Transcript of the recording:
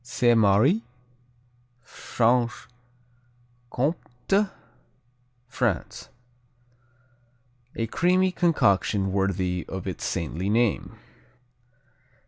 Sainte Marie Franche Comté, France A creamy concoction worthy of its saintly name.